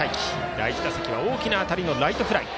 第１打席は大きな当たりのライトフライ。